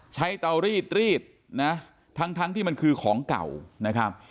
เตารีดรีดนะทั้งทั้งที่มันคือของเก่านะครับ